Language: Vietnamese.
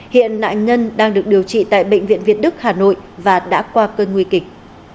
hiện nạn nhân đang được điều trị tại bệnh viện việt đức hà nội và đã qua cơn nguy kịch